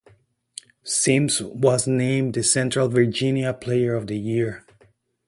Simms was named the Central Virginia Player of the Year.